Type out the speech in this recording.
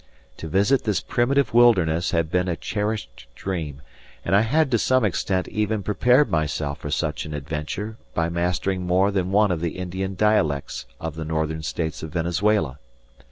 To visit this primitive wilderness had been a cherished dream; and I had to some extent even prepared myself for such an adventure by mastering more than one of the Indian dialects of the northern states of Venezuela.